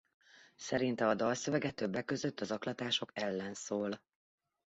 Szerinte a dalszövege többek között a zaklatások ellen szól.